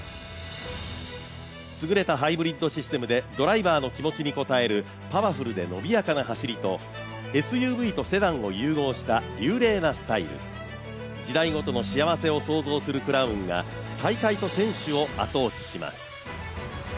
すぐれたハイブリッドシステムでドライバーの気持ちに応えるパワフルで伸びやかな走りとＳＵＶとセダンを融合した流麗なスタイル、時代ごとの幸せを想像するクラウンが大会と選手を後押しします。